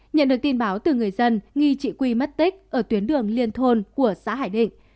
nhận được tin báo từ người dân nghi chị quy mất tích ở tuyến đường liên thôn của xã hải định